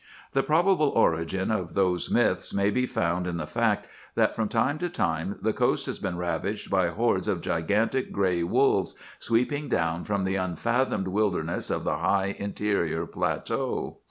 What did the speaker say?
"The probable origin of those myths may be found in the fact that from time to time the coast has been ravaged by hordes of gigantic gray wolves, sweeping down from the unfathomed wilderness of the high interior plateau.